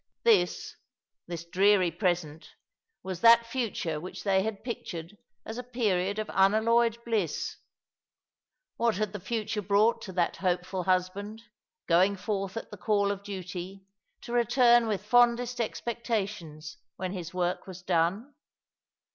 This— this dreary present— was that future which they had pictured as a period of unalloyed bliss. "What had the future brought to that hopeful husband, going forth at the call of duty, to return with fondest expectations when his work was done